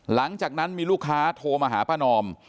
หลังจากนั้นมีลูกค้าโทรมาหาป้านอม